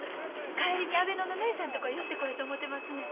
帰りに阿倍野のぬひさんのとこへ寄ってこようと思ってますねん。